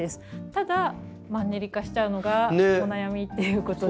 ただマンネリ化しちゃうのがお悩みっていうことで。